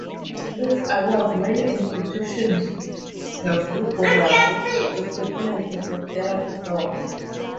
If allowed, many institutions have rigorous requirements for therapy dogs.